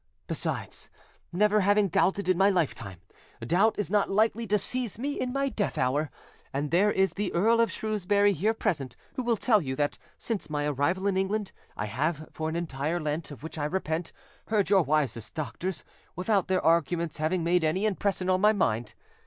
Besides, never having doubted in my lifetime, doubt is not likely to seize me in my death hour. And there is the Earl of Shrewsbury, here present, who will tell you that, since my arrival in England, I have, for an entire Lent, of which I repent, heard your wisest doctors, without their arguments having made any impression on my mind.